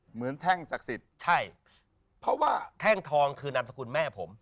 แท่งศักดิ์สิทธิ์ใช่เพราะว่าแท่งทองคือนามสกุลแม่ผม